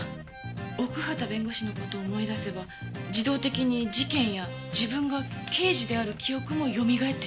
奥畑弁護士の事を思い出せば自動的に事件や自分が刑事である記憶もよみがえってしまう。